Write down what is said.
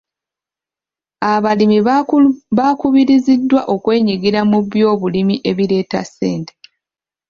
Abalimi bakubiriziddwa okwenyigira mu byobulimi ebireeta ssente.